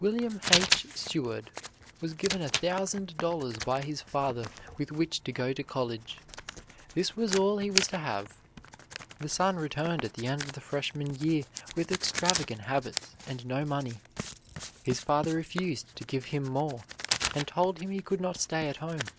William H. Seward was given a thousand dollars by his father with which to go to college; this was all he was to have. The son returned at the end of the freshman year with extravagant habits and no money. His father refused to give him more, and told him he could not stay at home.